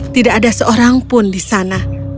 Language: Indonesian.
tidak ada seorang pun di sana